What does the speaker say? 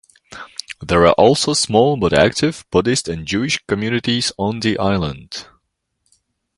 There are also small, but active, Buddhist and Jewish communities on the island.